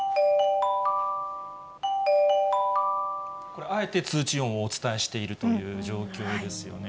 これ、あえて通知音をお伝えしているという状況ですよね。